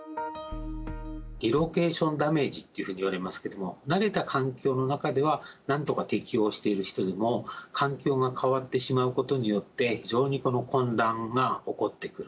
リロケーションダメージというふうに言われますけども慣れた環境の中ではなんとか適応している人でも環境が変わってしまうことによって非常に混乱が起こってくる。